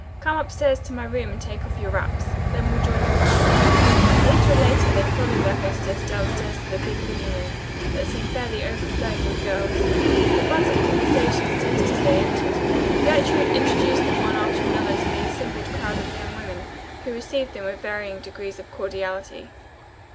Come upstairs to my room and take off your wraps. Then we'll join the crowd." A little later they followed their hostess downstairs to the big living room, that seemed fairly overflowing with girls. The buzz of conversation ceased as they entered. Gertrude introduced them one after another to the assembled crowd of young women, who received them with varying degrees of cordiality.